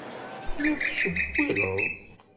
Telliḍ tettcewwileḍ.